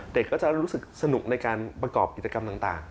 เด็กก็จะรู้สึกสนุกในการประกอบกิจกรรมต่าง